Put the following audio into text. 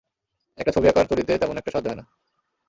একটা ছবি আঁকার তুলিতে তেমন একটা সাহায্য হয় না।